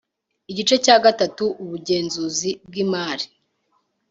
Igice cya gatatu Ubugenzuzi bw imari